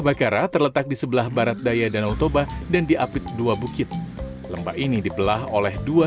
bakara terletak di sebelah barat daya danau toba dan diapit dua bukit lembah ini dibelah oleh dua